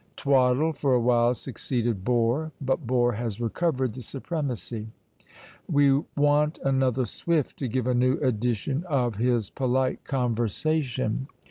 Twaddle for a while succeeded bore; but bore has recovered the supremacy. We want another Swift to give a new edition of his "Polite Conversation."